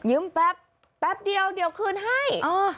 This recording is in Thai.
แป๊บแป๊บเดียวเดี๋ยวคืนให้